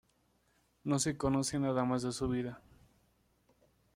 No se conoce nada más de su vida.